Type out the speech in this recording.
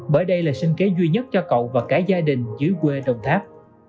bởi đây là sinh kế duy nhất cho cậu và cả gia đình dưới quê đồng tháp